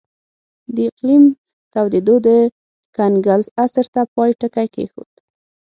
د اقلیم تودېدو د کنګل عصر ته پای ټکی کېښود.